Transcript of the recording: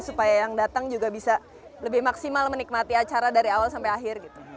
supaya yang datang juga bisa lebih maksimal menikmati acara dari awal sampai akhir gitu